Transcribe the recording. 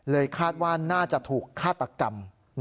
คาดว่าน่าจะถูกฆาตกรรม